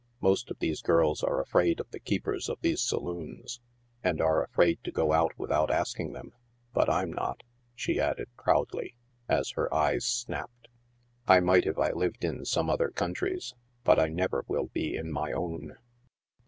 Most of these girls are afraid of the keepers of these saloons, and are afraid to go out without asking them ; but I'm not," she added, proudly, as her eyes snapped. " I might if I lived in some other countries, but I never will be in my own."